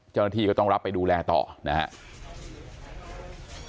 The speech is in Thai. เจ้าหน้าที่ก็ต้องรับไปดูแลต่อนะครับ